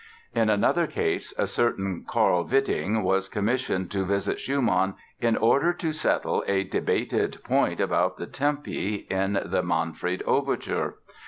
In another case a certain Carl Witting was commissioned to visit Schumann in order to settle a debated point about the tempi in the "Manfred" Overture.